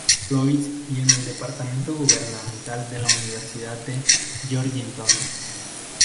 Louis; y en el departamento gubernamental de la Universidad de Georgetown.